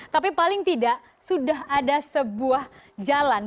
tapi paling tidak sudah ada sebuah jalan